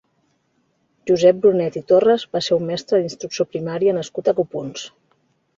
Josep Brunet i Torres va ser un mestre d'instrucció primària nascut a Copons.